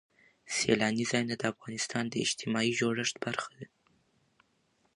سیلانی ځایونه د افغانستان د اجتماعي جوړښت برخه ده.